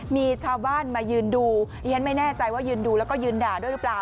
มีชาวบ้านมายืนดูดิฉันไม่แน่ใจว่ายืนดูแล้วก็ยืนด่าด้วยหรือเปล่า